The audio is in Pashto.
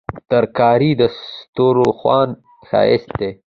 ترکاري د سترخوان ښايست دی